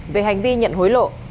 về hành vi nhận hối lộ